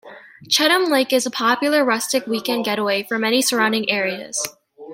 Cheatham Lake is a popular rustic weekend getaway for many surrounding areas.